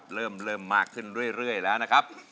เริ่มมากขึ้นเรื่อยแล้วนะครับ